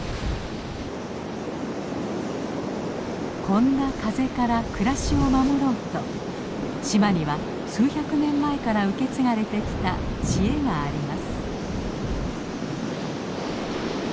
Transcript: こんな風から暮らしを守ろうと島には数百年前から受け継がれてきた知恵があります。